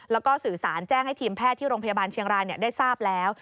แล้วก็สื่อสารแจ้งให้ทีมแพทย์ที่โรงพยาบาลเชียงรายได้ทราบแล้ว